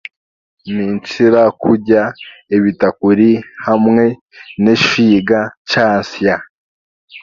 Ninkira kurya ebitakuri hamwe n'eshwiga kyansya.